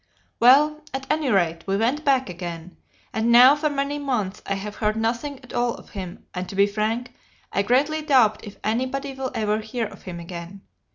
Well, at any rate we went back again, and now for many months I have heard nothing at all of him, and to be frank, I greatly doubt if anybody will ever hear of him again.